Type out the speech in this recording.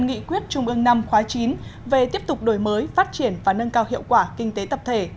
nghị quyết trung ương năm khóa chín về tiếp tục đổi mới phát triển và nâng cao hiệu quả kinh tế tập thể